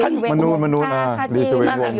คุณหมอมะนูลรีสเวท